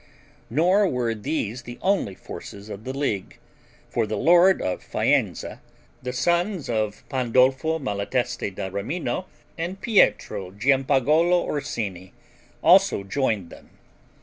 Nor were these the only forces of the league, for the lord of Faenza, the sons of Pandolfo Malatesti da Rimino and Pietro Giampagolo Orsini also joined them.